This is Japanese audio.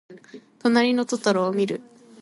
となりのトトロをみる。